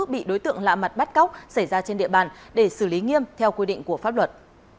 bị đối tượng lạ mặt bắt cóc xảy ra trên địa bàn để xử lý nghiêm theo quy định của pháp luật